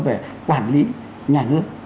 về quản lý nhà nước